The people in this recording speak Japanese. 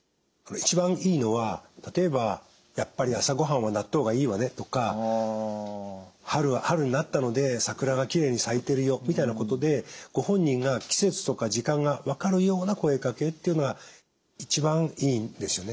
一番いいのは例えば「やっぱり朝ごはんは納豆がいいわね」とか「春になったので桜がきれいに咲いてるよ」みたいなことでご本人が季節とか時間が分かるような声かけっていうのは一番いいんですよね。